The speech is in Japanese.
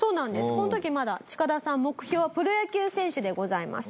この時まだチカダさん目標はプロ野球選手でございます。